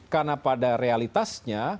karena pada realitasnya